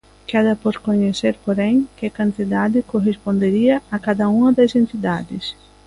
Queda por coñecer, porén, que cantidade correspondería a cada unha das entidades.